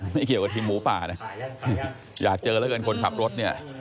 ไม่เกี่ยวกับทีมหมูป่านะอยากเจอแล้วกันคนขับรถเนี่ย